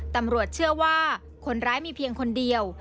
ตำรวจเชื่อว่าคนร้ายมีเพียงคนเดียว